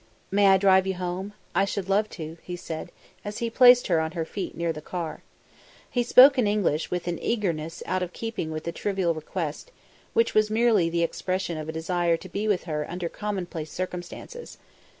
"May I drive you home? I should love to," he said, as he placed her on her feet near the car. He spoke in English, with an eagerness out of keeping with the trivial request, and which was merely the expression of a desire to be with her under commonplace circumstances.